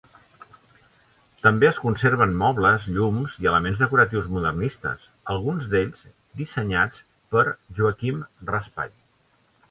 També es conserven mobles, llums i elements decoratius modernistes, alguns d'ells dissenyats per Joaquim Raspall.